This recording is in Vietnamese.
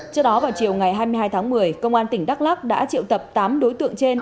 trước đó vào chiều ngày hai mươi hai tháng một mươi công an tỉnh đắk lắc đã triệu tập tám đối tượng trên